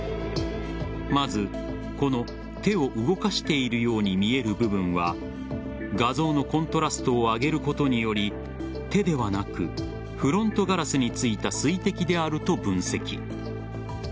まず、この手を動かしているように見える部分は画像のコントラストを上げることにより手ではなくフロントガラスについた水滴であると分析。